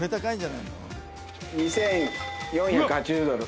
２，４８０ドル。